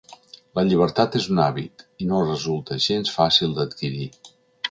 La llibertat és un hàbit, i no resulta gens fàcil d’adquirir.